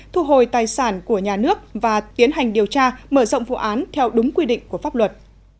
thu hồi tài sản của nhà nước và tiến hành điều tra mở rộng vụ án theo đúng quy định của pháp luật